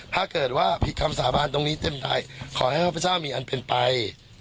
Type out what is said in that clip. ถ้าเกิดว่าผิดคำสาบานตรงนี้เต็มใดขอให้ข้าพเจ้ามีอันเป็นไป